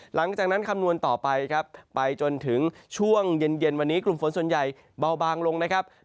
คำนวณต่อไปครับไปจนถึงช่วงเย็นวันนี้กลุ่มฝนส่วนใหญ่เบาบางลงนะครับ